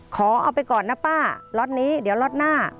ขอเอาไปก่อนนะป้าล็อตนี้เดี๋ยวล็อตหน้า